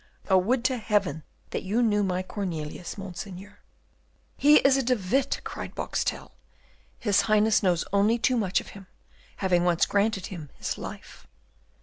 Oh, would to Heaven that you knew my Cornelius; Monseigneur!" "He is a De Witt!" cried Boxtel. "His Highness knows only too much of him, having once granted him his life."